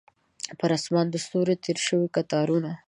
پر اسمان د ستورو تیر شول کتارونه